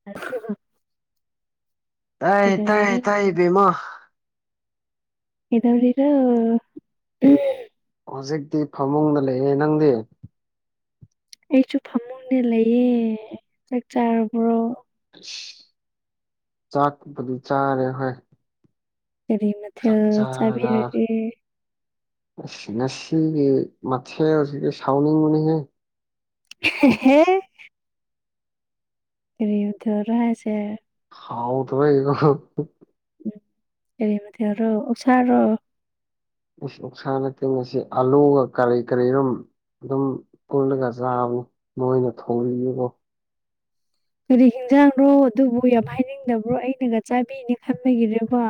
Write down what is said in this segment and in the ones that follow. [inaudible] ꯇꯥꯏ ꯇꯥꯏ ꯀꯩꯗꯧꯔꯤꯔ ꯇꯥꯏꯌꯦ ꯕꯦꯝꯃꯣ ꯀꯩꯗꯧꯔꯤꯅꯣ ꯍꯧꯖꯤꯛꯇꯤ ꯐꯃꯨꯡꯗ ꯂꯩꯌꯦ ꯅꯪꯗꯤ꯫ ꯑꯩꯁꯨ ꯐꯃꯨꯡꯗ ꯂꯩꯌꯦ ꯆꯥꯛ ꯆꯥꯔꯕ꯭ꯔꯣ꯫ ꯑꯁ ꯆꯥꯛꯄꯨꯗꯤ ꯆꯥꯔꯦ ꯍꯣꯏ ꯀꯔꯤ ꯆꯥꯛ ꯃꯊꯦꯜ ꯆꯥꯔꯒ ꯆꯥꯕꯤꯔꯒꯦ ꯑꯁ ꯉꯁꯤꯒꯤ ꯃꯊꯦꯜꯁꯤꯗꯤ ꯁꯥꯎꯅꯤꯡꯕꯅꯤꯍꯦ꯫ ꯑꯍꯦꯍꯦ ꯀꯔꯤ ꯃꯊꯦꯜꯔ ꯍꯥꯏꯁꯦ ꯍꯥꯎꯇꯕꯒꯤꯀꯣ ꯎꯝ ꯀꯔꯤ ꯃꯊꯦꯜꯔꯣ ꯑꯣꯛꯁꯥꯔꯣ ꯎꯁ ꯑꯣꯛꯁꯥ ꯅꯠꯇꯦ ꯉꯁꯤ ꯑꯂꯨꯒ ꯀꯔꯤ ꯀꯔꯤꯔꯨꯝ ꯑꯗꯨꯝ ꯄꯨꯜꯂꯒ ꯆꯥꯕꯅꯦ ꯃꯣꯏꯅ ꯊꯣꯡ [unintelligible] ꯀꯣ ꯀꯔꯤ ꯍꯤꯡꯖꯥꯡꯔꯣ ꯑꯗꯨꯕꯨ ꯌꯥꯝ ꯍꯥꯏꯅꯤꯡꯗꯕ꯭ꯔꯣ ꯑꯩꯅꯒ ꯆꯥꯕꯤꯅꯤ ꯈꯟꯕꯒꯤꯔꯥꯕ꯫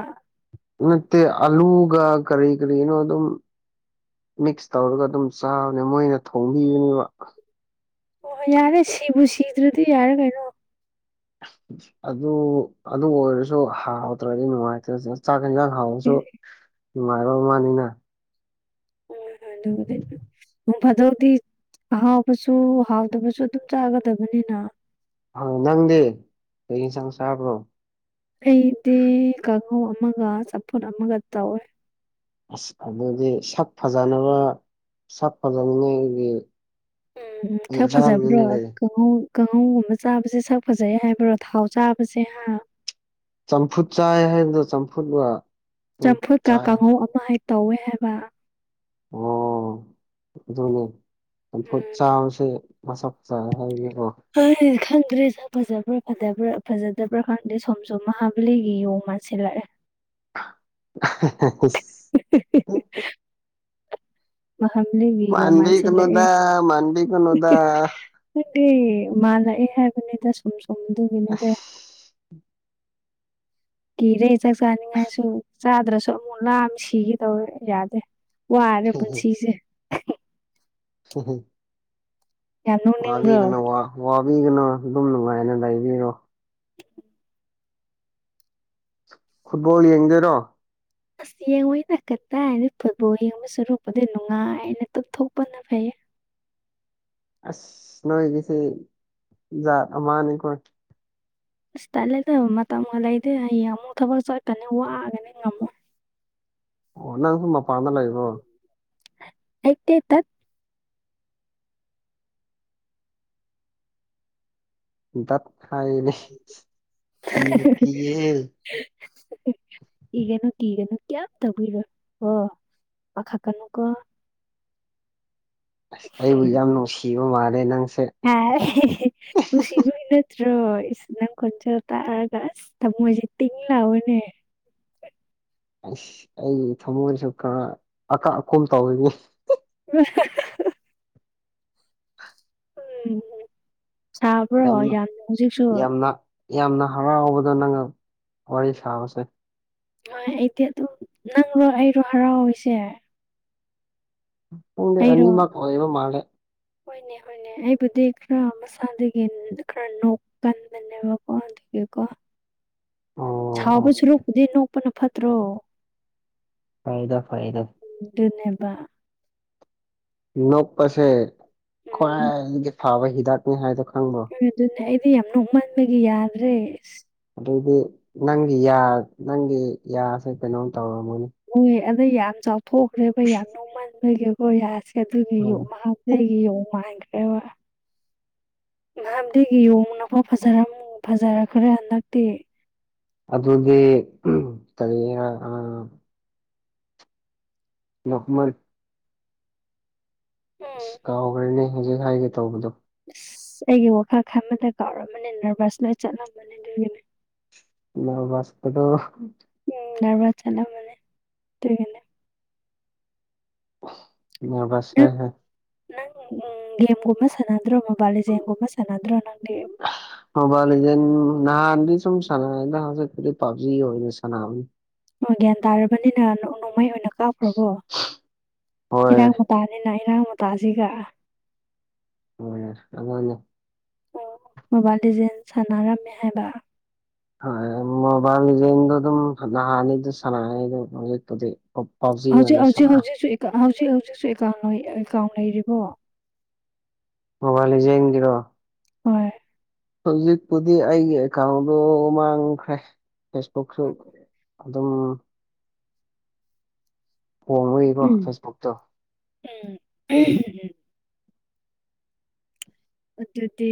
ꯅꯠꯇꯦ ꯑꯂꯨꯒ ꯀꯔꯤ ꯀꯔꯤꯅꯣ ꯑꯗꯨꯝ ꯃꯤꯛꯁ ꯇꯧꯔꯒ ꯑꯗꯨꯝ ꯆꯥꯕꯅꯦ ꯃꯣꯏꯅ ꯊꯣꯡꯕꯤꯕꯅꯦꯕ ꯑꯣ ꯍꯣꯏ ꯌꯥꯔꯦ ꯁꯤꯕꯨ ꯁꯤꯗ꯭ꯔꯗꯤ ꯌꯥꯔꯦ ꯀꯩꯅꯣ ꯑꯗꯨ ꯑꯗꯨ ꯑꯣꯏꯔꯁꯨ ꯍꯥꯎꯇ꯭ꯔꯗꯤ ꯅꯨꯡꯉꯥꯏꯇꯦꯗꯅ ꯆꯥꯛ ꯌꯦꯟꯖꯥꯡ ꯍꯥꯎꯕꯁꯨ ꯅꯨꯡꯉꯥꯏꯕ ꯃꯥꯅꯤꯅ ꯍꯣꯏ ꯍꯣꯏ ꯑꯗꯨꯕꯨꯗꯤ ꯅꯣꯡ ꯐꯥꯗꯣꯛꯇꯤ ꯑꯍꯥꯎꯕꯁꯨ ꯍꯥꯎꯇꯕꯁꯨ ꯑꯗꯨꯝ ꯆꯥꯒꯗꯕꯅꯤꯅ꯫ ꯍ ꯅꯪꯗꯤ ꯀꯔꯤ ꯌꯦꯟꯁꯥꯡ ꯆꯥꯕ꯭ꯔꯣ꯫ ꯑꯩꯗꯤ ꯀꯥꯡꯉꯧ ꯑꯃꯒ ꯆꯝꯐꯨꯠ ꯑꯃꯒ ꯇꯧꯋꯦ꯫ ꯑꯁ ꯑꯗꯨꯗꯤ ꯁꯛ ꯐꯖꯅꯕ ꯁꯛ ꯐꯖꯅꯤꯡꯉꯥꯏꯒꯤ ꯎꯝ ꯎꯝ ꯈ꯭ꯔ ꯌꯦꯟꯁꯥꯡꯅꯤꯅꯦ ꯐꯖꯕ꯭ꯔꯣ ꯀꯩꯅꯣ꯫ ꯀꯥꯡꯉꯧ ꯀꯥꯡꯉꯧꯒꯨꯝꯕ ꯆꯥꯕꯁꯦ ꯁꯛ ꯐꯖꯩ ꯍꯥꯏꯕ꯭ꯔꯣ ꯊꯥꯎ ꯆꯥꯕꯁꯦ ꯍꯥ ꯆꯝꯐꯨꯠ ꯆꯥꯏ ꯍꯥꯏꯗꯣ ꯆꯝꯐꯨꯠꯂ ꯆꯝꯐꯨꯠꯀ ꯀꯥꯡꯉꯧ ꯑꯃ ꯍꯦꯛ ꯇꯧꯋꯦ ꯍꯥꯏꯕ꯫ ꯑꯣ ꯑꯗꯨꯅꯦ ꯆꯝꯐꯨꯠ ꯆꯥꯕꯁꯦ ꯃꯁꯛ [unintelligible] ꯍꯥꯏꯕꯅꯦꯀꯣ꯫ [unintelligible] ꯈꯪꯗ꯭ꯔꯦ ꯁꯛ ꯐꯖꯕ꯭ꯔ ꯐꯖꯕ꯭ꯔ ꯐꯖꯗꯕ꯭ꯔꯥ ꯈꯪꯗꯦ ꯁꯨꯝꯁꯨꯝ ꯃꯍꯥꯕꯂꯤꯒꯤ ꯌꯣꯡ ꯃꯥꯥꯟꯁꯤꯜꯂꯛꯑꯦ꯫ [unintelligible] [unintelligible] [unintelligible] ꯃꯍꯥꯕꯂꯤꯒꯤ ꯌꯣꯡ ꯃꯥꯟꯕꯤꯒꯅꯨꯗ ꯃꯥꯟꯁꯤꯜꯂꯛꯑꯦ ꯃꯥꯟꯕꯤꯒꯅꯨꯗ ꯈꯪꯗꯦ ꯃꯥꯂꯛꯑꯦ ꯍꯥꯏꯕꯅꯤꯗ ꯁꯨꯝ ꯁꯨꯝ ꯗꯨꯒꯤꯅꯤꯗ ꯀꯤꯔꯦ ꯆꯥꯛ ꯆꯥꯅꯤꯡꯉꯥꯏꯁꯨ ꯆꯥꯗ꯭ꯔꯁꯨ ꯑꯃꯨꯛ ꯂꯥꯃ ꯁꯤꯒꯦ ꯇꯧꯋꯦ ꯌꯥꯗꯦ꯫ ꯋꯥꯔꯦ ꯄꯨꯟꯁꯤꯖꯦ꯫ ꯍ ꯍ ꯌꯥꯝ ꯅꯣꯛꯅꯤꯡꯕ꯭ꯔꯣ ꯋꯥꯕꯤꯒꯅꯨ ꯋꯥ ꯋꯥꯕꯤꯒꯅꯨ ꯑꯗꯨꯝ ꯅꯨꯡꯉꯥꯏꯅ ꯂꯩꯕꯤꯔꯣ꯫ [unintelligible] ꯐꯨꯠꯕꯣꯜ ꯌꯦꯡꯗꯣꯏꯔꯣ꯫ ꯑꯁ ꯌꯦꯡꯉꯣꯏꯗ ꯀꯗꯥꯏꯗꯩ ꯐꯨꯠꯕꯣꯜ ꯌꯦꯡꯕꯩ ꯁꯨꯔꯛꯄꯨꯗꯤ ꯅꯨꯡꯉꯥꯏꯅ ꯇꯨꯝꯊꯣꯛꯄꯅ ꯐꯩꯌꯦ꯫ ꯑꯁ ꯅꯣꯏꯒꯤꯁꯦ ꯖꯥꯠ ꯑꯃꯅꯤꯀꯣ꯫ ꯑꯁ ꯇꯠꯂꯦꯗꯕ ꯃꯇꯝꯒ ꯂꯩꯇꯦ ꯍꯌꯦꯡ ꯑꯃꯨꯛ ꯊꯕꯛ ꯆꯠꯀꯅꯤ ꯋꯥꯑꯒꯅꯤ ꯉꯝꯃꯣꯏ ꯑꯣ ꯅꯪꯁꯨ ꯃꯄꯥꯟꯗ ꯂꯩꯕ꯭ꯔꯣ [unintelligible] ꯗꯠ ꯍꯥꯏꯅꯦ ꯀꯤꯕꯨ ꯀꯤꯍꯦ ꯀꯤꯒꯅꯨ ꯀꯤꯒꯅꯨ ꯀꯦꯝ ꯇꯧꯕꯤꯔꯣꯏ ꯀꯣ ꯄꯥꯈꯠꯀꯅꯨꯀꯣ ꯑꯁ ꯑꯩꯕꯨ ꯍꯨꯝ ꯌꯥꯝ ꯅꯨꯡꯁꯤꯕ ꯃꯥꯜꯂꯦ ꯅꯪꯁꯦ꯫ ꯍꯥꯏ ꯅꯨꯡꯁꯤꯕꯩ ꯅꯠꯇ꯭ꯔꯣ ꯏꯁ ꯅꯪ ꯈꯣꯟꯖꯦꯜ ꯇꯥꯔꯒ ꯑꯁ ꯊꯃꯣꯏꯁꯦ ꯇꯥꯡ ꯂꯥꯎꯋꯦꯅꯦ ꯑꯁ ꯑꯩꯒꯤ ꯊꯃꯣꯏꯁꯨ ꯈꯔ ꯑꯀꯥ ꯑꯀꯨꯝ ꯇꯧꯋꯤꯅꯤ [unintelligible] ꯎꯝ ꯎꯝ ꯁꯥꯥꯕ꯭ꯔꯣ ꯌꯥꯝꯅ ꯍꯧꯖꯤꯛꯁꯨ ꯌꯥꯝꯅ ꯌꯥꯝꯅ ꯍꯔꯥꯎꯕꯗꯣ ꯅꯪꯒ ꯋꯥꯔꯤ ꯁꯥꯕꯁꯦ ꯍꯣꯏ ꯑꯩꯗꯤ ꯑꯗꯨꯝ ꯅꯪꯔꯣ ꯑꯩꯔꯣ ꯍꯔꯥꯎꯔꯤꯁꯦ ꯈꯪꯗꯦ ꯑꯩꯔꯣ ꯑꯅꯤꯃꯛ ꯑꯣꯏꯕ ꯃꯥꯜꯂꯦ ꯍꯣꯏꯅꯦ ꯍꯣꯏꯅꯦ ꯑꯩꯕꯨꯗꯤ ꯈꯔ ꯃꯁꯥꯗꯒꯤ ꯈꯔ ꯅꯣꯛ ꯀꯟꯕꯅꯦꯕꯀꯣ ꯒꯤꯀꯣ ꯑꯣ ꯑꯣ ꯁꯥꯎꯗꯣꯏ ꯁꯔꯨꯛꯄꯨꯗꯤ ꯅꯣꯛꯄꯅ ꯐꯠꯇ꯭ꯔꯣ ꯐꯩꯗ ꯐꯩꯗ ꯑꯗꯨꯅꯦꯕ ꯅꯣꯛꯄꯁꯦ ꯎꯝ ꯈ꯭ꯋꯥꯏꯗꯒꯤ ꯐꯕ ꯍꯤꯗꯥꯛꯅꯤ ꯍꯥꯏꯗꯣ ꯈꯪꯕ꯭ꯔꯣ ꯍꯣꯏ ꯑꯗꯨꯅꯦ ꯑꯩꯗꯤ ꯌꯥꯝ ꯅꯣꯛꯃꯟꯕꯒꯤ ꯌꯥꯗ꯭ꯔꯦ ꯑꯗꯩꯗꯤ ꯅꯪꯒꯤ ꯌꯥ ꯅꯪꯒꯤ ꯌꯥꯁꯦ ꯀꯩꯅꯣꯝ ꯇꯧꯔꯝꯃꯅꯤ ꯑꯗꯨ ꯌꯥꯝ ꯆꯥꯎꯊꯣꯛꯈ꯭ꯔꯦꯕ ꯌꯥꯝ ꯅꯣꯡꯃꯟꯕꯒꯤꯀꯣ ꯌꯥꯁꯦ ꯑꯗꯨꯒꯤ ꯎꯝ ꯌꯣꯛ ꯃꯍꯥꯎ ꯗꯒꯤ ꯌꯣꯡ ꯃꯥꯟꯈ꯭ꯔꯦꯕ ꯅꯍꯥꯟꯗꯒꯤ ꯌꯣꯡꯅ ꯐꯧ ꯐꯖꯔꯝ ꯐꯖꯔꯛꯈ꯭ꯔꯦ ꯍꯟꯗꯛꯇꯤ ꯑꯗꯨꯗꯤ ꯎꯝ ꯀꯔꯤꯒꯤꯔ ꯅꯣꯛꯃꯟ ꯎꯝ ꯑꯁ ꯀꯥꯎꯒ꯭ꯔꯦꯅꯦ ꯍꯧꯖꯤꯛ ꯍꯥꯏꯒꯦ ꯇꯧꯕꯗꯣ ꯑꯁ ꯑꯩꯒꯤ ꯋꯥꯈꯜ ꯈꯟꯕꯗ ꯀꯥꯎꯔꯝꯃꯅꯤ ꯅꯔꯚꯁ ꯂꯣꯏ ꯆꯠꯂꯝꯃꯅꯤ ꯑꯗꯨꯒꯤꯅꯦ [unintelligible] ꯎꯝ ꯅꯔꯚꯁ ꯆꯠꯂꯝꯃꯅꯤ ꯑꯗꯨꯒꯤꯅꯦ ꯅꯔꯚꯁ ꯅꯪ ꯁꯦ ꯅꯪ ꯎꯝ ꯒꯦꯝꯒꯨꯝꯕ ꯁꯥꯟꯅꯗ꯭ꯔꯣ ꯃꯣꯕꯥꯏꯜ ꯂꯤꯖꯦꯟ ꯒꯨꯝꯕ ꯁꯥꯟꯅꯗ꯭ꯔꯣ ꯅꯪꯗꯤ ꯃꯣꯕꯥꯏꯜ ꯂꯤꯖꯦꯟ ꯅꯍꯥꯟꯗꯤ ꯁꯨꯝ ꯁꯥꯟꯅꯩ ꯍꯟꯗꯛꯀꯤꯗꯤ ꯄꯞꯖꯤ ꯑꯣꯏꯅ ꯁꯥꯟꯅꯕꯅꯤ ꯑꯣ ꯒ꯭ꯌꯥꯟ ꯇꯥꯔꯕꯅꯤꯅ ꯅꯣ ꯅꯣꯡꯃꯩ ꯑꯣꯏꯅ ꯀꯥꯞꯈ꯭ꯔꯕꯣ ꯍꯣꯏ ꯏꯔꯥꯡ ꯃꯇꯥꯅꯤꯅ ꯏꯔꯥꯡ ꯃꯇꯥꯁꯤꯒ [unintelligible] ꯑꯃꯅꯦ ꯑꯣ ꯃꯣꯕꯥꯏꯜ ꯂꯤꯖꯦꯟ ꯁꯥꯟꯅꯔꯝꯃꯦ ꯍꯥꯏꯕ ꯍꯣꯏ ꯃꯣꯕꯥꯏꯜ ꯂꯤꯖꯦꯟꯗꯣ ꯑꯗꯨꯝ ꯅꯍꯥꯟꯅꯤꯗ ꯁꯥꯟꯅꯩ ꯑꯗꯨ ꯍꯧꯖꯤꯛꯄꯨꯗꯤ ꯄꯕꯖꯤ ꯍꯧꯖꯤꯛ ꯑꯣꯏꯅ ꯍꯧꯖꯤꯛ ꯁꯥꯟꯅꯩ ꯍꯧꯖꯤꯛꯁꯨ ꯍꯧꯖꯤꯛ ꯍꯧꯖꯤꯛꯁꯨ ꯑꯦꯀꯥꯎꯟ ꯅꯣꯏ ꯑꯦꯀꯥꯎꯟ ꯂꯩꯔꯤꯕꯣ ꯃꯣꯕꯥꯏꯜ ꯂꯤꯖꯦꯟ ꯒꯤꯔꯣ ꯍꯣꯏ ꯍꯧꯖꯤꯛꯄꯨꯗꯤ ꯑꯩꯒꯤ ꯑꯦꯀꯥꯎꯟꯗꯣ ꯃꯥꯡꯈ꯭ꯔꯦ ꯐꯦꯁꯕꯨꯛꯁꯨ ꯑꯗꯨꯝ ꯍꯣꯡꯕꯩꯀꯣ ꯎꯝ ꯐꯦꯁꯕꯨꯛꯇꯣ ꯎꯝ ꯑꯗꯨꯗꯤ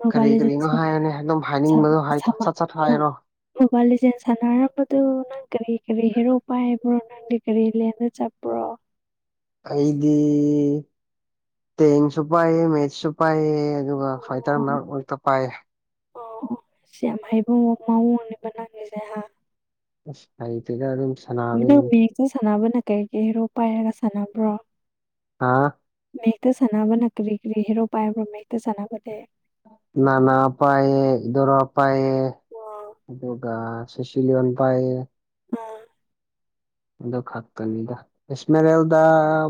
ꯃꯣꯕꯥꯏꯜ ꯀꯔꯤ ꯂꯤꯖꯦꯟ ꯀꯔꯤꯅꯣ ꯁꯥꯟ- ꯍꯥꯏꯌꯨꯅꯤ ꯑꯗꯨꯝ ꯁꯥꯟ- ꯍꯥꯏꯅꯤꯡꯕꯗꯣ ꯍꯥꯏꯌꯣ ꯁꯥꯟꯅ- ꯁꯠ ꯁꯠ ꯃꯣ- ꯍꯥꯏꯔꯣ ꯃꯣꯕꯥꯏꯜ ꯂꯤꯖꯦꯟ ꯁꯥꯟꯅꯔꯝꯕꯗꯨ ꯅꯪ ꯀꯔꯤ ꯀꯔꯤ ꯍꯦꯔꯣ ꯄꯥꯏꯕ꯭ꯔꯣ ꯅꯪ ꯅꯪꯗꯤ ꯀꯔꯤ ꯂꯦꯟꯗ ꯆꯠꯄ꯭ꯔꯣ ꯑꯩꯗꯤ ꯇꯦꯡꯁꯨ ꯄꯥꯏꯌꯦ ꯃꯦꯖꯁꯨ ꯄꯥꯏꯌꯦ ꯑꯗꯨꯒ ꯐꯥꯢꯇꯔꯅ ꯃꯔꯛ ꯃꯔꯛꯇ ꯄꯥꯏ ꯑꯣ ꯑꯣ ꯌꯥꯝ ꯍꯩꯕ ꯃꯋꯣꯡ ꯅꯦꯕ ꯅꯪꯒꯤꯁꯦ ꯍꯥ ꯑꯁ ꯍꯩꯇꯦꯗ ꯑꯗꯨꯝ ꯁꯥꯟꯅꯕꯅꯤ ꯅꯪ ꯃꯦꯖꯁꯦ ꯁꯥꯟꯅꯕꯅ ꯀꯩ ꯀꯩ ꯍꯦꯔꯣ ꯄꯥꯏꯔꯒ ꯁꯥꯟꯅꯕ꯭ꯔꯣ ꯍꯥꯥ ꯃꯦꯛꯇ ꯁꯥꯟꯅꯕꯅ ꯀ꯭ꯔꯤ ꯀ꯭ꯔꯤ ꯍꯦꯔꯣ ꯄꯥꯏꯕ꯭ꯔꯣ ꯃꯦꯛꯇ ꯁꯥꯟꯅꯕꯗꯤ ꯅꯥꯅꯥ ꯄꯥꯢꯌꯦ ꯌꯨꯗꯣꯔꯥ ꯄꯥꯏꯌꯦ ꯑꯣ ꯑꯗꯨꯒ ꯁꯤꯁꯤꯂꯤꯌꯟ ꯄꯥꯏꯌꯦ ꯎꯝ ꯑꯗꯨ ꯈꯛꯇꯅꯤꯗ ꯢꯁꯃꯦꯔꯦꯜꯗ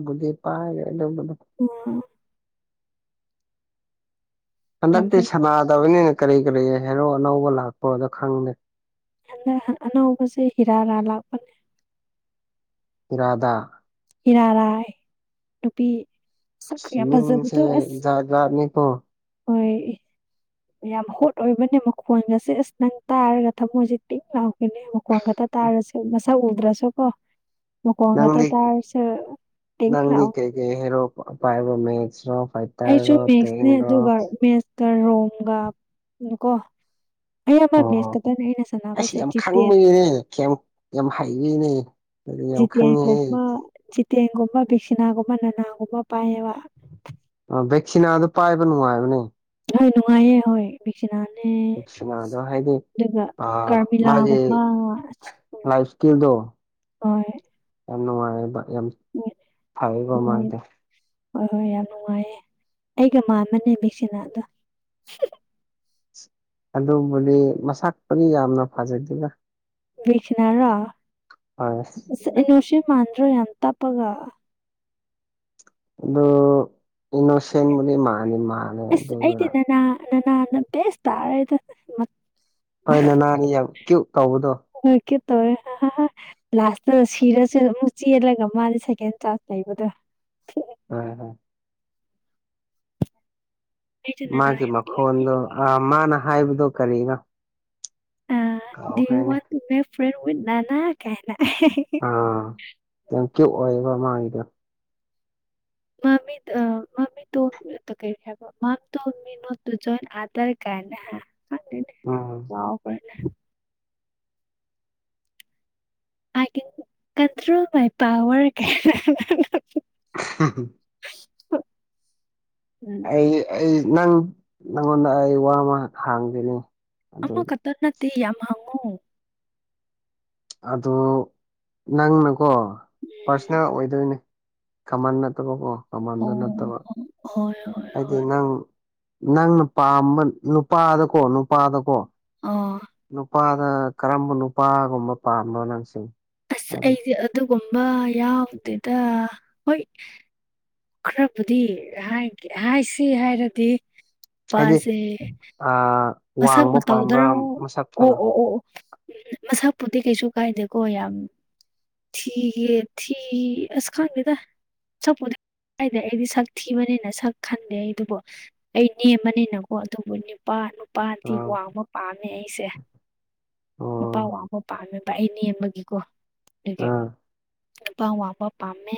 ꯕꯨꯗꯤ ꯄꯥꯢꯌꯦ ꯑꯗꯨꯕꯨ ꯑꯣ ꯌꯥꯝ ꯍꯟꯗꯛꯇꯤ ꯐꯩ ꯁꯅꯥꯗꯕꯅꯤꯅ ꯀꯔꯤ ꯀꯔꯤ ꯍꯦꯔꯣ ꯑꯅꯧꯕ ꯂꯥꯛꯄꯅꯣ ꯈꯪꯗꯦ ꯍꯟꯗꯛ ꯑꯅꯧꯕꯁꯦ ꯍꯤꯔꯥ ꯔꯥ ꯂꯥꯛꯄꯅꯤ ꯍꯤꯔꯥꯗꯥ ꯍꯤꯔꯥꯔꯥꯏ ꯅꯨꯄꯤ ꯁꯛ ꯌꯥꯝ ꯐꯖꯕꯗꯣ ꯑꯁ ꯥꯂꯥꯛꯅꯤ ꯀꫭ ꯍꯣꯏ ꯌꯥꯝ ꯍꯣꯠ ꯑꯣꯏꯕꯅꯦ ꯃꯈꯣꯟꯒꯁꯦ ꯑꯁ ꯅꯪ ꯇꯥꯔꯒ ꯊꯝꯃꯣꯏꯁꯤ ꯄꯤꯡ ꯂꯥꯎꯒꯅꯤ ꯃꯈꯣꯟ ꯈꯇ ꯇꯥꯔꯁꯨ ꯃꯁꯛ ꯎꯗ꯭ꯔꯁꯨ ꯀꯣ ꯃꯀꯣꯟ ꯉꯇ ꯅꯪꯗꯤ ꯇꯔꯁ ꯄꯤꯡ ꯂꯥꯎ ꯍꯦ ꯍꯦꯔꯣ ꯄꯥꯢꯕ ꯃꯦꯠꯁ ꯔꯣ ꯄꯥꯢ ꯑꯩꯁꯨ ꯃꯦꯛꯁꯅꯦ ꯑꯗꯨꯒ ꯃꯦꯛꯁꯀ ꯔꯣꯝꯒ ꯀꯣ ꯑꯌꯥꯝꯕ ꯃꯦꯁ ꯑꯣ ꯈꯛꯇꯅꯦ ꯑꯩꯅ ꯑꯁ ꯁꯥꯟꯅꯕꯁꯦ ꯌꯥꯝ ꯖꯤꯠꯇꯦ ꯈꯪꯕꯒꯤꯅꯦ ꯌꯥꯝ ꯌꯥꯝ ꯍꯩꯕꯒꯤꯅꯦ ꯑꯗꯨꯗꯤ ꯌꯥꯝ ꯈꯪꯉꯦꯍꯦ ꯖꯤꯠꯇꯦꯟꯒꯨꯝꯕ ꯖꯤꯠꯇꯦꯟꯒꯨꯝꯕ ꯕꯦꯛꯁꯤꯅꯥꯒꯨꯝꯕ ꯅꯅꯥꯒꯨꯝꯕ ꯄꯥꯏꯌꯦꯕ ꯑꯥ ꯕꯦꯛꯁꯤꯅ ꯗꯨ ꯄꯥꯏꯕ ꯅꯨꯡꯉꯥꯏꯕꯅꯦ ꯑ ꯅꯨꯡꯉꯥꯏꯌꯦ ꯍꯣꯏ ꯕꯦꯛꯁꯤꯅꯥꯅꯦ ꯚꯦꯛꯁꯤꯅꯥꯗꯣ ꯍꯥꯏꯗꯤ ꯑꯗꯨꯒ ꯑ ꯃꯥꯒꯤ ꯀꯔꯃꯤꯂꯥꯒꯨꯝꯕ ꯑꯁ ꯎꯝ ꯂꯥꯏꯐ ꯏꯁꯀꯤꯜꯗꯣ ꯍꯣꯏ ꯌꯥꯝ ꯅꯨꯡꯉꯥꯢ ꯌꯦꯕ ꯌꯥꯝ ꯍꯣꯏ ꯐꯩꯌꯦꯕ ꯍꯣꯏ ꯃꯥꯗꯦ ꯍꯣꯏ ꯍꯣꯏ ꯌꯥꯝ ꯅꯨꯡꯉꯥꯏꯌꯦ ꯑꯩꯒ ꯃꯥꯟꯕꯅꯦ ꯕꯦꯛꯁꯤꯅꯥ ꯗꯣ ꯑꯗꯨꯕꯨꯗꯤ ꯃꯁꯛꯄꯨꯗꯤ ꯌꯥꯝꯅ ꯐꯖꯗꯦꯅ ꯕꯦꯛꯁꯤꯅꯔꯣ ꯍꯣꯏ ꯑꯁ ꯢꯅꯣꯁꯦꯟ ꯃꯥꯟꯗ꯭ꯔꯣ ꯌꯥꯝ ꯇꯞꯄꯒ ꯑꯗꯨ ꯏꯅꯣꯁꯦꯟꯕꯨꯗꯤ ꯃꯅꯤꯃꯥ ꯑꯁ ꯑꯩꯗꯤ ꯅꯅꯥ ꯅꯅꯥꯅ ꯕꯦꯁ ꯇꯥꯔꯦꯗ ꯍꯣꯏ ꯅꯅꯥꯅꯦ ꯌꯥꯝ ꯀ꯭ꯌꯨꯠ ꯇꯧꯕꯗꯣ ꯍꯣꯢ ꯀ꯭ꯌꯨꯠ ꯇꯧꯋꯦ ꯍꯥꯍꯥ ꯂꯥꯁꯇ ꯁꯤꯔꯁꯨ ꯑꯃꯨꯛ ꯆꯦꯜꯂꯒ ꯃꯥꯗꯤ ꯁꯦꯀꯦꯟ ꯇꯥ ꯂꯩꯕꯗꯣ ꯑꯥ ꯑꯥ ꯑꯩꯁꯨ ꯅꯅꯥ ꯃꯥꯒꯤ ꯌꯥꯝ ꯃꯈꯣꯟꯗꯣ ꯇꯣꯏꯅ ꯑ ꯃꯥꯅ ꯍꯥꯏꯕꯗꯣ ꯀꯔꯤꯅꫭ ꯑ do you want to make friend with ꯅꯅꯥ ꯀꯥꯏꯅ ꯑꯍꯦꯍꯦ ꯑꯥ ꯌꯥꯝ ꯀ꯭ꯌꯨꯠ ꯑꯣꯏꯌꯦꯕ ꯃꯥꯒꯤꯗꯣ ꯃꯃꯤꯠ ꯑ ꯃ [unintelligible] ꯀꯩ ꯍꯥꯏꯕ ꯃꯝ to me not to join other ꯀꯥꯢꯅ ꯈꯪꯗꯦꯅꯦ ꯑꯥ ꯂꯥꯎꯒꯔꯦ ꯅꯦ I can control my power ꯀꯥꯢꯅ ꯑꯍꯝꯝ ꯎꯝ ꯑꯩ ꯑꯩ ꯅꯪ ꯅꯪꯉꯣꯟꯗ ꯑꯩ ꯋꯥ ꯑꯃ ꯍꯪꯒꯦꯅꯦ ꯑꯃꯈꯛꯇ ꯅꯠꯇꯦ ꯌꯥꯝ ꯍꯥꯡꯉꯣ ꯑꯗꫭ ꯅꯪꯅꯀꯣ ꯄꯥꯔꯁꯅꯦꯜ ꯑꯣꯏꯗꯣꯏꯅꯦ ꯀꯃꯟ ꯅꯠꯇꯕ ꯀꯣ ꯀꯃꯟꯗꯨ ꯑꯣ ꯅꯠꯇꯕ ꯍꯣꯏ ꯍꯣꯏ ꯍꯥꯏꯗꯤ ꯍꯣꯏ ꯅꯪ ꯅꯪꯅ ꯄꯥꯝꯕ ꯅꯨꯄꯥꯗꯀꯣ ꯅꯨꯄꯥꯗꯀꯣ ꯑꯣ ꯅꯨꯄꯥꯗ ꯀꯔꯝꯕ ꯅꯨꯄꯥꯒꯨꯝꯕ ꯄꯥꯝꯕ ꯅꯪꯁꯤꯡ ꯑꯁ ꯑꯩꯗꯤ ꯑꯗꯨꯒꯨꯝꯕ ꯌꯥꯎꯗꯦꯗ ꯍꯣꯏ ꯈꯔꯕꯨꯗꯤ ꯍꯥꯏ ꯍꯥꯏꯁꯤ ꯍꯥꯏꯔꯗꯤ ꯍꯥꯏꯗꯤ ꯄꯥꯁꯦ ꯑꯥ ꯃꯁꯛ ꯃꯇꯧꯗꯔꫭ ꯑꯣ ꯑꯣ ꯑꯣ ꯃꯁꯛꯄꯨꯗꯤ ꯀꯩꯁꯨ ꯀꯥꯏꯗꯦꯀꯣ ꯌꯥꯝ ꯊꯤꯒꯦ ꯊꯤ ꯑꯁ ꯈꯪꯗꯦꯗ ꯁꯛꯄꯨꯗꯤ ꯀꯗꯦ ꯑꯩꯗꯤ ꯁꯛ ꯊꯤꯕꯅꯤꯅ ꯁꯛ ꯈꯟꯗꯦ ꯑꯩ ꯑꯗꯨꯕꯨ ꯑꯩ ꯅꯦꯝꯅꯤꯅꯤꯅꯀꯣ ꯑꯗꯨꯕꯨ ꯅꯤꯄꯥ ꯅꯨ ꯅꯨꯄꯥꯗꯤ ꯑꯥ ꯋꯥꯡꯕ ꯄꯥꯝꯃꯦ ꯑꯩꯁꯦ ꯅꯨꯄꯥ ꯑꯣ ꯋꯥꯡꯕ ꯄꯥꯝꯃꯦ ꯑꯩ ꯅꯦꯝꯕꯒꯤꯀꯣ ꯑꯗꯨꯒꯤ ꯑꯥ ꯅꯨꯄꯥ ꯋꯥꯡꯕ ꯄꯥꯝꯃꯦ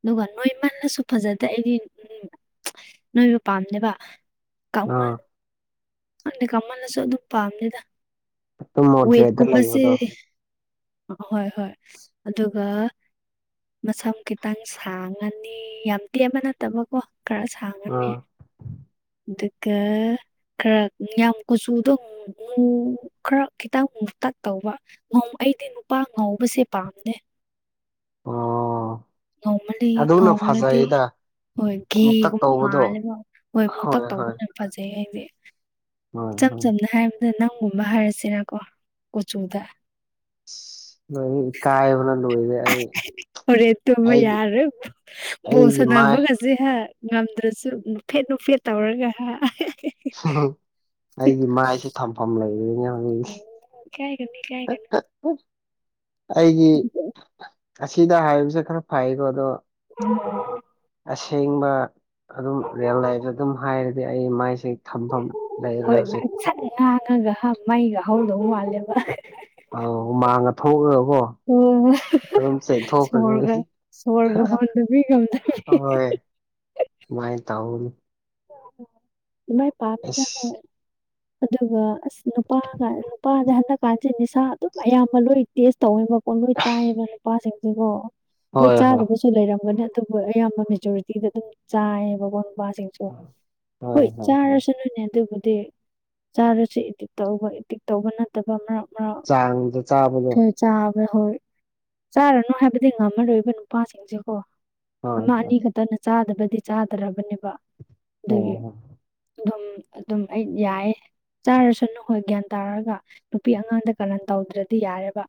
ꯑꯗꯨꯒ ꯅꯣꯏ ꯏꯃꯅꯁꯨ ꯐꯖꯗꯦ ꯑꯩꯗꯤ ꯎꯝ ꯅꯣꯏꯕ ꯄꯥꯝꯗꯦꯕ ꯑꯥ [unintelligible] ꯀꯃꯜꯅꯁꯨ ꯑꯗꯨꯝ ꯄꯥꯝꯅꯤꯗ ꯑꯗꯨꯝ ꯃꯣꯗ꯭ꯔꯦꯠꯇ ꯋꯦꯠꯀꯨꯝꯕꯁꯦ ꯂꯩꯕꯗꯣ ꯍꯣꯏ ꯍꯣꯏ ꯑꯗꯨꯒ ꯃꯁꯝ ꯈꯤꯇꯪ ꯁꯥꯡꯉꯅꯤ ꯌꯥꯝ ꯇꯦꯟꯕ ꯅꯠꯇꯕꯀꯣ ꯈꯔ ꯁꯥꯡꯉꯅꯤ ꯑꯥ ꯑꯗꯨꯒ ꯈꯔ ꯌꯥꯝ ꯀꯨꯆꯨꯗꯣ ꯈꯔ ꯈꯤꯇꯪ ꯃꯨꯛꯇ ꯇꯧꯕ ꯑꯩꯗꯤ ꯅꯨꯄꯥ ꯉꯥꯎꯧꯕꯁꯦ ꯄꯥꯝꯅꯦ ꯑꫭ ꯉꯩꯃꯜꯅꯤ ꯉꯧꯃꯜꯂꯗꯤ ꯍꯣꯏ ꯃꯨꯛꯇꯛ ꯘꯤꯒꯨꯝꯕ ꯇꯧꯕꯗꯣ ꯃꯥꯜꯂꯦꯕ ꯍꯣꯏ ꯃꯨꯛꯇꯛ ꯇꯧꯒꯨꯝꯅꯦꯕ ꯐꯖꯩ ꯍꯥꯏꯗꯤ ꯍꯣꯏ ꯏꯆꯝ ꯍꯣꯏ ꯆꯝꯅ ꯍꯥꯏꯔꯕ ꯅꯪꯒꯨꯝꯕ ꯍꯥꯏꯔꯁꯤꯔꯀꯣ ꯀꯆꯨꯗ ꯅꯪ ꯏꯀꯥꯏ ꯕꯅ ꯂꯣꯏꯔ ꯍꯣꯔꯦ ꯇꯣꯕ ꯌꯥꯔ ꯕꯣꯜ ꯑꯩꯒꯤ ꯃꯥꯏ ꯁꯅꯕꯨꯒꯁꯤ ꯍꯧꯖꯤꯛ ꯍꯥ ꯉꯝꯗ꯭ꯔꯁꯨ ꯅꯨꯐꯦꯠ ꯅꯨꯡꯐꯦꯠ ꯇꯧꯔꯒ ꯍꯥ ꯑꯩꯒꯤ ꯃꯥꯏꯁꯦ ꯊꯝꯐꯝ ꯂꯩꯕꯦꯅꯦ ꯎꯝ ꯏꯀꯥꯏꯒꯅꯨ ꯏꯀꯥꯏꯒꯅꯨ ꯑꯩꯒꯤ ꯑꯁꯤꯗ ꯍꯥꯏꯕꯁꯦ ꯈꯔ ꯐꯩꯀꯣ ꯑꯗꯣ ꯎꯝ ꯎ ꯑꯁꯦꯡꯕ ꯑꯗꯨꯝ ꯔꯤꯌꯦꯜ ꯂꯥꯏꯐꯇ ꯑꯗꯨꯝ ꯍꯥꯏꯔꯗꯤ ꯑꯩ ꯃꯥꯏꯁꯦ ꯊꯝꯐꯝ ꯍꯣꯏ ꯂꯩꯔꯁꯨ ꯉꯛꯁꯠ ꯅꯥꯉꯒ ꯃꯩꯒ ꯍꯧꯗꯧ ꯃꯥꯜꯂꯦꯕ ꯑꯥꯎ ꯍꯨꯃꯥꯡꯉ ꯊꯣꯛꯑꯀꯣ ꯑꯣ ꯁꯣꯔꯒ ꯁꯣꯔꯒ ꯍꯣꯟꯅꯕꯤ ꯉꯝꯗꯦ ꯃꯥꯏ ꯇꯩꯅꯤ [unintelligible] ꯏꯁ ꯍꯣꯏ ꯑꯗꯨꯒ ꯑꯁ ꯅꯨꯄꯥ ꯅꯨꯄꯥꯗ ꯍꯟꯗꯛ ꯀꯥꯟꯁꯤ ꯅꯤꯁꯥ ꯑꯗꯨꯝ ꯑꯌꯥꯝꯕ ꯂꯣꯏ ꯇꯦꯁ ꯇꯧꯋꯕ ꯄꯣꯠꯂꯣꯏ ꯆꯥꯏꯌꯦꯕ ꯅꯨꯄꯥꯁꯤꯡꯁꯤꯒꯣ ꯍꯣꯏ ꯆꯥꯗꯕꯁꯨ ꯂꯩꯔꯝꯒꯅꯤ ꯑꯗꯨꯕꯨ ꯑꯌꯥꯝꯕ ꯃꯦꯖꯣꯔꯤꯇꯤꯗ ꯑꯗꯨꯝ ꯆꯥꯏꯌꯦꯕ ꯅꯨꯄꯥꯁꯤꯡꯁꯨ ꯍꯣꯏ ꯆꯥꯔꯁꯨ ꯅꯣꯏꯅꯦ ꯑꯗꯨꯕꯨꯗꯤ ꯆꯥꯔꯁꯨ ꯏꯇꯤꯛ ꯇꯧꯕ ꯏꯇꯛ ꯇꯧꯕ ꯅꯠꯇꯕ ꯃꯔꯛ ꯃꯔꯛ ꯆꯥꯡꯗ ꯆꯥꯕꯗꯣ ꯆꯥꯕ ꯍꯣꯏ ꯆꯥꯔꯅꯨ ꯍꯥꯏꯕꯗꯤ ꯉꯝꯃꯔꯣꯏꯕ ꯅꯨꯄꯥꯁꯤꯡꯁꯦ ꯀꯣ ꯍꯣꯏ ꯑꯃ ꯍꯣꯏ ꯑꯅꯤ ꯈꯛꯇꯅ ꯆꯥꯗꯕꯗꯤ ꯆꯥꯗ꯭ꯔꯔꯕꯅꯦꯕ ꯑꯗꯨꯒꯤ ꯍꯣꯏ ꯍꯣꯏ ꯑꯗꯨꯝ ꯑꯗꯨꯝ ꯑꯩ ꯌꯥꯏ ꯆꯥꯔꯁꯨꯅꯨ ꯍꯣꯏ ꯒ꯭ꯌꯥꯟ ꯇꯥꯔꯒ ꯅꯨꯄꯤ ꯑꯉꯥꯡꯗ ꯀꯥꯂꯟ ꯇꯧꯗ꯭ꯔꯗꯤ ꯌꯥꯔꯦꯕ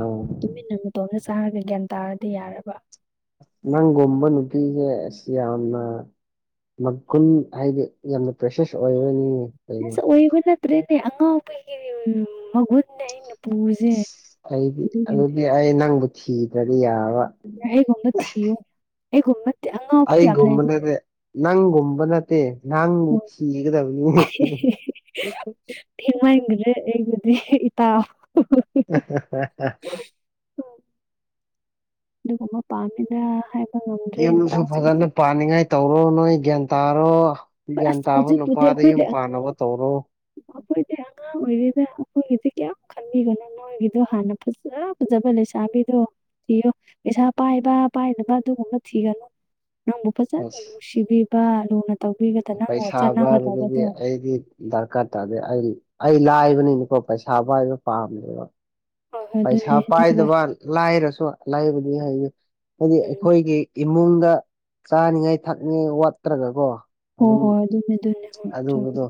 ꯑꯣ ꯇꯨꯃꯤꯟꯅ ꯇꯧꯅ ꯆꯥꯔꯒ ꯒ꯭ꯌꯥꯟ ꯇꯥꯔꯗꯤ ꯌꯥꯔꯕ ꯅꯪꯒꯨꯝꯕ ꯅꯨꯄꯤꯁꯦ ꯑꯁ ꯌꯥꯝꯅ ꯃꯒꯨꯟ ꯍꯥꯏꯗꯤ ꯌꯥꯝꯅ ꯄ꯭ꯔꯦꯁꯦꯁ ꯑꯣꯏꯅꯤ ꯑꯁ ꯑꯣꯏꯕ ꯅꯠꯇ꯭ꯔꯦꯅꯦ ꯑꯉꯥꯎꯕꯒꯤ ꯃꯒꯨꯟꯅꯦ ꯑꯩꯅ ꯄꯁꯦ ꯑꯩꯗꯤ ꯑꯗꯨꯇꯦ ꯑꯗꯨꯗꯤ ꯑꯩ ꯅꯪꯕꯨ ꯊꯤꯗ꯭ꯔꯗꯤ ꯌꯥꯔꯔꫭꯏ ꯑꯩꯒꯨꯝꯕ ꯊꯤꯌꯣ ꯑꯩꯒꯨꯝꯕ ꯑꯉꯥꯎꯕ ꯌꯥꯝ ꯂꯩꯔꯤ ꯅꯪꯒꯨꯝꯕꯅ ꯅꯪꯕꯨ ꯊꯤꯒꯗꯕꯅ ꯔꯦ ꯑꯩꯕꯨꯗꯤ ꯇꯥꯎ [unintelligible] ꯎ ꯑꯗꯨꯒꯨꯝꯕ ꯄꯥꯝꯃꯤꯗ꯭ꯔꯥ ꯍꯥꯏꯕ ꯉꯝꯗ꯭ꯔꯦ ꯌꯨꯝꯁꯨ ꯅꯨꯄꯥꯁꯤꯡꯁꯦ ꯐꯖꯅ ꯄꯥꯅꯤꯡꯉꯥꯏ ꯇꯧꯔꯣ ꯅꯣꯏ ꯒ꯭ꯌꯥꯟ ꯇꯥꯔꯣ ꯍꯣꯏ ꯒ꯭ꯌꯥꯟ ꯑꯁ ꯇꯥꯕ ꯍꯧꯖꯤꯛꯄꯨꯗꯤ ꯅꯨꯄꯥꯗ ꯌꯨꯝ ꯑꯩꯈꯣꯏꯗꯤ ꯄꯥꯅꯕ ꯇꯧꯔꯣ ꯑꯩꯈꯣꯏꯗꯤ ꯑꯉꯥꯡ ꯑꯣꯏꯔꯤꯗ ꯑꯩꯈꯣꯏꯒꯤꯁꯦ ꯀꯌꯥꯝꯃ ꯈꯟꯕꯤꯒꯅꯣ ꯃꯣꯢꯒꯤꯗꯣ ꯍꯥꯟꯅ ꯐꯖ ꯐꯖꯕ ꯂꯩꯁꯥꯕꯤꯗꯣ ꯊꯤꯌꯣ ꯄꯩꯁꯥ ꯄꯥꯏꯕ ꯄꯥꯏꯗꯕ ꯑꯗꯨꯒꯨꯝꯕ ꯊꯤꯒꯅꯨ ꯅꯪꯕꯨ ꯐꯖꯅ ꯑꯁ ꯅꯨꯡꯁꯤꯕꯤꯕ ꯂꯨꯅ ꯇꯧꯕꯤꯒꯗ ꯅꯪ ꯄꯩꯁꯥ ꯄꯥꯏꯕꯗꯨꯗꯤ ꯆꯥꯟꯅꯒꯗꯕꯗꯣ ꯑꯩꯗꯤ ꯗꯔꯀꯥꯔ ꯇꯥꯗꯦ ꯑꯩ ꯑꯩ ꯂꯥꯏꯕꯅꯤꯅꯀꯣ ꯄꯩꯁꯥ ꯄꯥꯢꯕ ꯄꯥꯝꯗꯦꯕ ꯍꯣꯏ ꯍꯣꯏ ꯄꯩꯁꯥ ꯑꯗꯨꯅꯦ ꯅꯪꯒ ꯄꯥꯏꯗꯕ ꯂꯥꯢꯔꯁꯨ ꯂꯩꯥꯕꯗꯤ ꯍꯥꯏ ꯍꯥꯏꯗꯤ ꯎꯝ ꯑꯩꯈꯣꯏꯒꯤ ꯏꯃꯨꯡꯗ ꯆꯥꯅꯤꯡꯉꯥꯏ ꯊꯛꯅꯤꯡꯉꯥꯏ ꯋꯥꯠꯇ꯭ꯔꯒꯀꯣ ꯍꯣꯏ ꯑꯗꯨꯝ ꯍꯣꯏ ꯑꯗꯨꯅꯦ ꯑꯗꯨꯅꯦ ꯍꯣꯏ ꯆꯨꯝꯃꯦ ꯑꯗꯨꯕꯨꯗꯣ